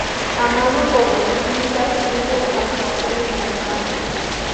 Amado por los hinchas, tuvo actuaciones memorables.